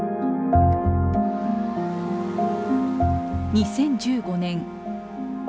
２０１５年。